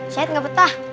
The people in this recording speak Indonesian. said gak betah